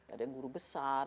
ada yang guru besar